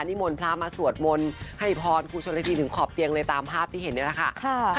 มนต์พระมาสวดมนต์ให้พรครูชนละทีถึงขอบเตียงเลยตามภาพที่เห็นนี่แหละค่ะ